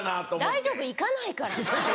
大丈夫行かないから。